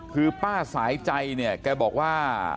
คือป้าสายใจเนี่ยแกบอกว่า